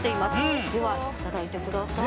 ではいただいてください。